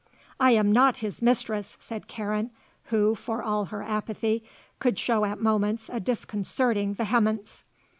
"I am not his mistress," said Karen, who, for all her apathy, could show at moments a disconcerting vehemence.